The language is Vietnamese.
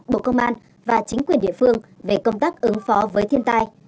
bộ công an và chính quyền địa phương về công tác ứng phó với thiên tai